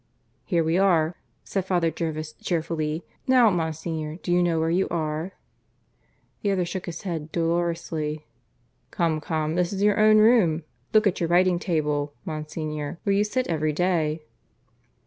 "Here we are," said Father Jervis cheerfully. "Now, Monsignor, do you know where you are?" The other shook his head dolorously. "Come, come; this is your own room. Look at your writing table, Monsignor; where you sit every day."